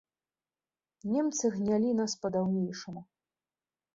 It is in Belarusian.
Немцы гнялі нас па-даўнейшаму.